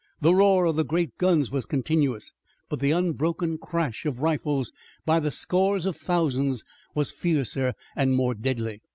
The roar of the great guns was continuous, but the unbroken crash of rifles by the scores of thousands was fiercer and more deadly.